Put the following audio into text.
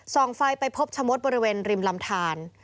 ส่องฟัยไปพบชมมตบริเวณริมรำทาน